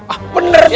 ah bener tuh